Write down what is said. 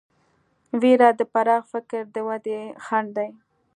وېره د پراخ فکر د ودې خنډ دی.